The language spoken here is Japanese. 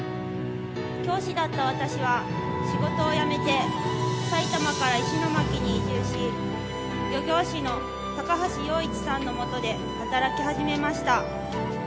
教師だった私は、仕事を辞めて埼玉から石巻に移住し漁業士の高橋陽一さんのもとで働き始めました。